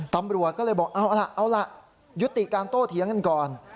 ตำรวจก็เลยบอกเอาล่ะเอาล่ะยุติการโต้เถียงกันก่อน